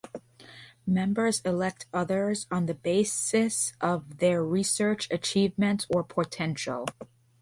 Members elect others on the basis of their research achievements or potential.